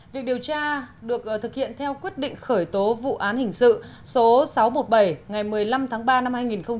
việc điều tra được thực hiện theo quyết định khởi tố vụ án hình sự số sáu trăm một mươi bảy ngày một mươi năm tháng ba năm hai nghìn một mươi bảy